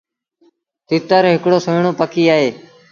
تتر هڪڙو سُهيٚڻون پکي اهي۔